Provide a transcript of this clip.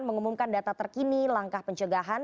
mengumumkan data terkini langkah pencegahan